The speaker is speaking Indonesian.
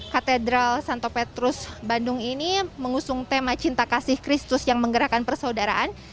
katedral santo petrus bandung ini mengusung tema cinta kasih kristus yang menggerakkan persaudaraan